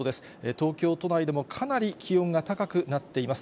東京都内でもかなり気温が高くなっています。